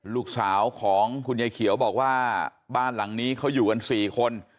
ลูกสาวของคุณยายเขียวบอกว่าบ้านหลังนี้เขาอยู่กัน๔คน